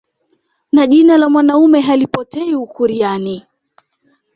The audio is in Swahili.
Na jina la mwanaume halipotei ukuryani